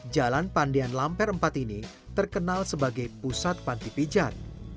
jalan pandian lamper empat ini terkenal sebagai pusat panti pijat